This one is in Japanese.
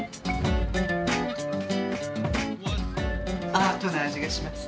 アートなあじがします。